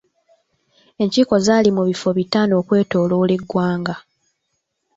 Enkiiko zaali mu bifo bitaano okwetooloola eggwanga.